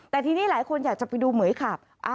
แต่ทีนี้หลายคนอยากจะไปดูเหมือยขับ